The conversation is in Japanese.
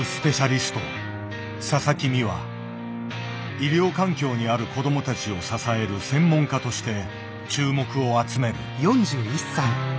医療環境にある子どもたちを支える専門家として注目を集める。